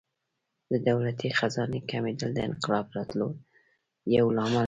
د دولتي خزانې کمېدل د انقلاب راتلو یو لامل و.